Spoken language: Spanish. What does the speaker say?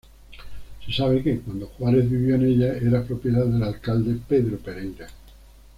Se sabe que cuando Juárez vivió en ella, era propiedad del alcalde Pedro Pereira.